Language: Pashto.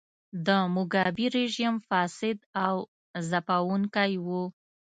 د موګابي رژیم فاسد او ځپونکی و.